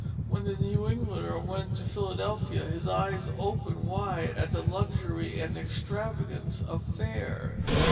When the New Englander went to Philadelphia, his eyes opened wide at the luxury and extravagance of fare.